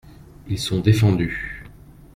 Ils sont défendus.